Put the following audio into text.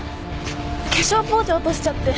化粧ポーチ落としちゃって。